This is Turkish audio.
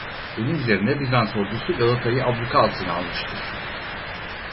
Bunun üzerine Bizans ordusu Galata'yı abluka altına almıştır.